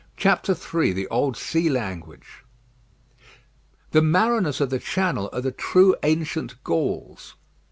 III THE OLD SEA LANGUAGE The mariners of the Channel are the true ancient Gauls.